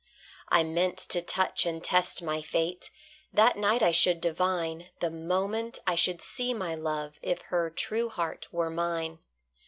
I meant to touch and test my fate; That night I should divine, The moment I should see my love, If her true heart were mine.